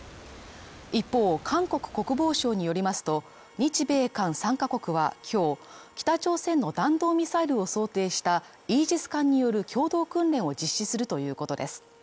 一方、韓国国防省によりますと、日米韓３カ国は今日北朝鮮の弾道ミサイルを想定したイージス艦による共同訓練を実施するということです。